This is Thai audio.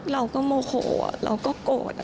เราก็โมโขเราก็โกรธ